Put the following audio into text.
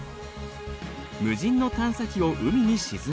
無人の探査機を海に沈めて。